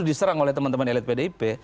diserang oleh teman teman elit pdip